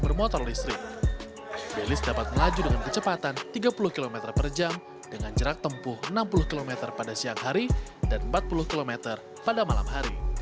beris dapat melaju dengan kecepatan tiga puluh km per jam dengan jarak tempuh enam puluh km pada siang hari dan empat puluh km pada malam hari